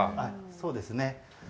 そうですね。